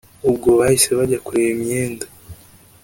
ubwo bahise bajya kureba imyenda